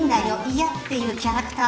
嫌っていうキャラクター。